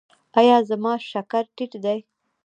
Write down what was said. ایا زما شکر ټیټ دی؟